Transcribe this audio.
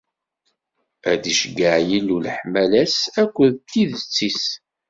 Ad d-iceyyeɛ Yillu leḥmala-s akked tidet-is.